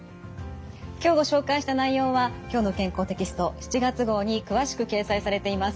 今日ご紹介した内容は「きょうの健康」テキスト７月号に詳しく掲載されています。